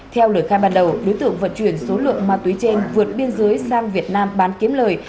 theo lời khai ban đầu đối tượng vận chuyển số lượng ma túy trên vượt biên giới sang việt nam bán kiếm lời